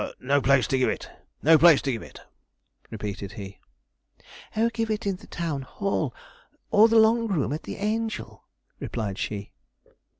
No place to give it no place to give it,' repeated he. 'Oh, give it in the town hall, or the long room at the Angel,' replied she.